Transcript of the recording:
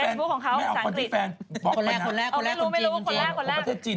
เฟซบุ๊คของเขาสังกฤษ